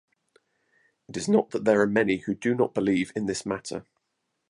It is not that there are many who do not believe in this matter.